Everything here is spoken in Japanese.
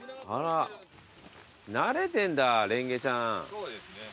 そうですね。